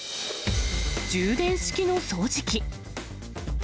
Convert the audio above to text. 充電式の掃除機。